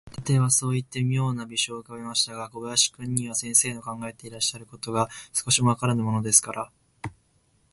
探偵はそういって、みょうな微笑をうかべましたが、小林君には、先生の考えていらっしゃることが、少しもわからぬものですから、